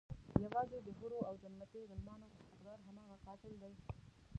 يوازې د حورو او جنتي غلمانو حقدار هماغه قاتل دی.